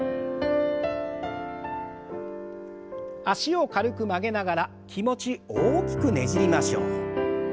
脚を軽く曲げながら気持ち大きくねじりましょう。